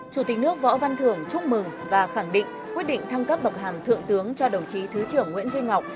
chủ tịch nước võ văn thưởng chúc mừng và khẳng định quyết định thăng cấp bậc hàm thượng tướng cho đồng chí thứ trưởng nguyễn duy ngọc